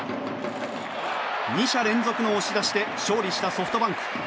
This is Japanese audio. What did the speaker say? ２者連続の押し出しで勝利したソフトバンク。